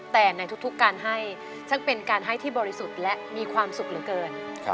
แต่ในทุกการให้ฉันเป็นการให้ที่บริสุทธิ์และมีความสุขเหลือเกิน